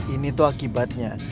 ini tuh akibatnya